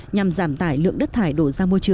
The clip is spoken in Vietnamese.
nhằm giảm tải lượng đất thải đổ ra